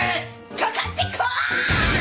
かかってこい！